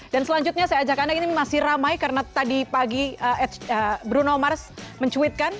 selanjutnya saya ajak anda ini masih ramai karena tadi pagi bruno mars mencuitkan